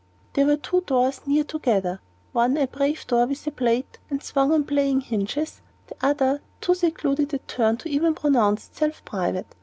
There were two doors near together, one a brave door with a plate, and swung on playing hinges, the other of too secluded a turn to even pronounce itself "private."